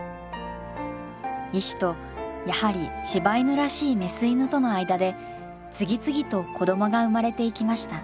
石とやはり柴犬らしいメス犬との間で次々と子供が生まれていきました。